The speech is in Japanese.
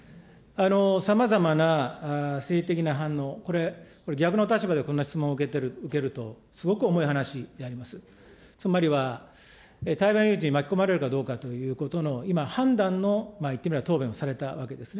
さまざまな政治的な反応、これ、逆の立場でこんな質問を受けると、すごく重い話であります。つまりは台湾有事に巻き込まれるかどうかということの今、判断の、言ってみれば答弁をされたわけですね。